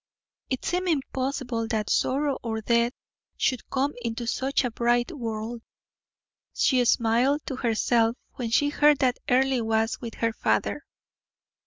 It seemed impossible that sorrow or death should come into such a bright world. She smiled to herself when she heard that Earle was with her father.